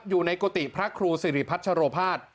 อยู่ในกุฏิพระครูสิริพัชโรภาส